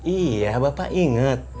iya bapak inget